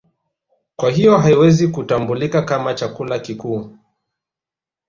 Kwa hiyo haiwezi kutambulika kama chakula kikuu